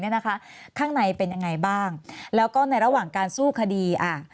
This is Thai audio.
นะคะข้างในเป็นยังไงบ้างแล้วก็ในระหว่างการสู้คดีอ่า